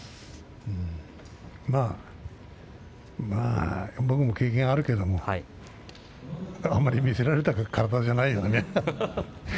まあ僕も経験があるけれどもあんまり見せられた体ではないよね。